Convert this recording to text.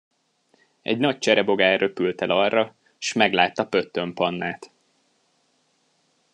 Egy nagy cserebogár röpült el arra, s meglátta Pöttöm Pannát.